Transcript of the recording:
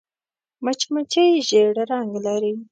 مچمچۍ ژیړ رنګ لري